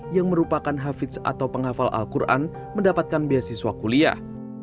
yang merupakan hafiz atau penghafal al quran mendapatkan beasiswa kuliah